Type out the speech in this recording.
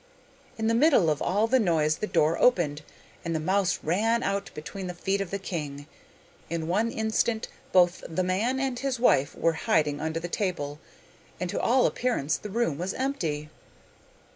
In the middle of all the noise the door opened, and the mouse ran out between the feet of the king. In one instant both the man and his wife were hiding under the table, and to all appearance the room was empty.